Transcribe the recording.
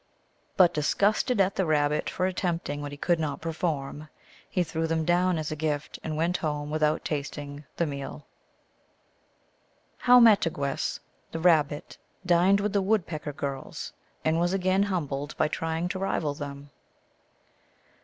But, disgusted at the Rabbit for attempting what he could not perform, he threw them down as a gift, and went home without tasting the meal. II. How Mahtigivess, the Babbit dined with the Wood pecker Girls, and was again humbled by trying to rival them.